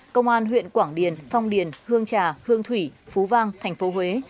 công an huyện quảng điền phong điền hương trà hương thủy phú vang thành phố huế